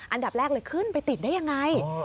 อันดับแรกเลยขึ้นไปติดได้ยังไง